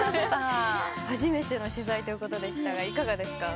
初めての取材ということでしたがいかがですか？